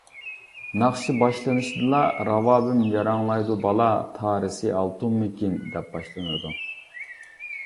ناخشا باشلىنىشىدىلا: راۋابىم جاراڭلايدۇ بالا، تارىسى ئالتۇنمىكىن؟ دەپ باشلىنىدۇ.